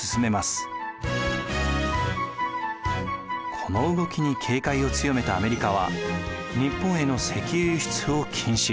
この動きに警戒を強めたアメリカは日本への石油輸出を禁止。